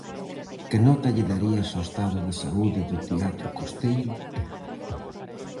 Que nota lle darías ao estado de saúde do teatro costeiro?